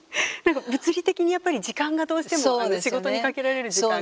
物理的にやっぱり時間がどうしても仕事にかけられる時間が。